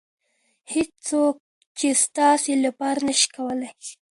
هېڅوک یې ستاسې لپاره نشي کولی.